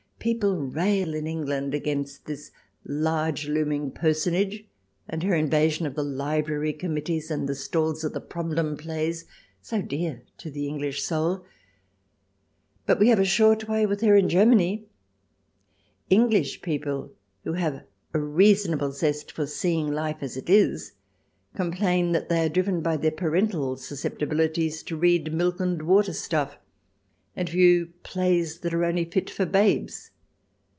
People rail in England against this large looming 284 THE DESIRABLE ALIEN [ch. xx personage, and her invasion of the library com mittees and the stalls at the " problem " plays, so dear to the English soul. But we have a short way with her in Germany. English people, who have a reasonable zest for seeing life as it is, complain that they are driven by their parental susceptibilities to read milk and water stuff, and view plays that are only fit for babes.